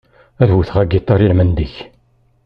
Ad uteɣ agitar i-lmend-ik.